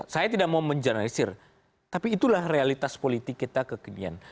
saya tidak mau menjernalisir tapi itulah realitas politik kita kekinian